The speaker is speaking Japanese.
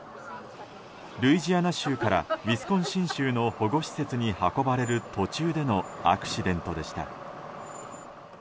ルイジアナ州からウィスコンシン州の保護施設に運ばれる途中でのアクシデントでした。